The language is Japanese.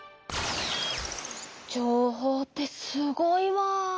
情報ってすごいわ！